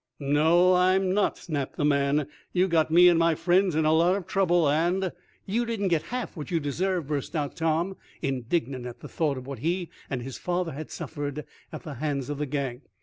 "No, I'm not," snapped the man. "You got me and my friends in a lot of trouble, and " "You didn't get half what you deserved!" burst out Tom, indignant at the thought of what he and his father had suffered at the hands of the gang.